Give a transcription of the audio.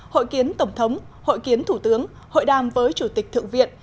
hội kiến tổng thống hội kiến thủ tướng hội đàm với chủ tịch thượng viện